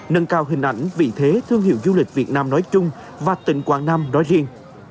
nâng cao hình ảnh vị thế thương hiệu du lịch việt nam nói chung và tỉnh quảng nam nói riêng